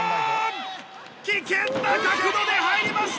危険な角度で入りました！